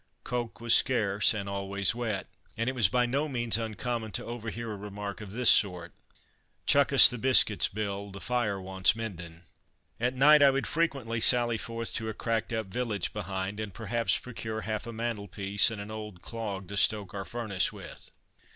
Coke was scarce and always wet, and it was by no means uncommon to over hear a remark of this sort: "Chuck us the biscuits, Bill; the fire wants mendin'." At night I would frequently sally forth to a cracked up village behind, and perhaps procure half a mantelpiece and an old clog to stoke our "furnace" with.